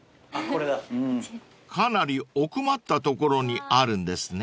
［かなり奥まったところにあるんですね］